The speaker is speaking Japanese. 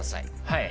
はい。